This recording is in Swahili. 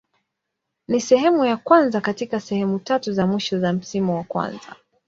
Ni sehemu ya kwanza katika sehemu tatu za mwisho za msimu wa kwanza.